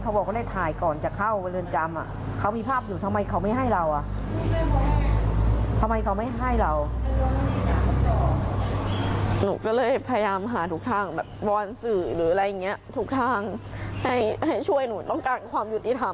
ทุกทางให้ช่วยหนูต้องการความยุติธรรม